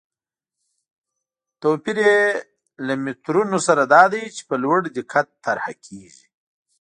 توپیر یې له مترونو سره دا دی چې په لوړ دقت طرحه کېږي.